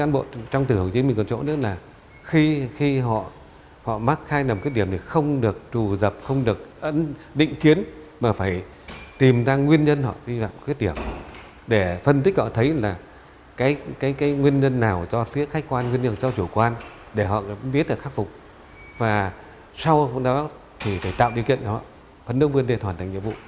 biết được khắc phục và sau đó thì phải tạo điều kiện để họ phấn đồng vươn tiền hoàn thành nhiệm vụ